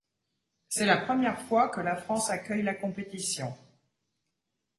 C'est la première fois que la France accueille la compétition.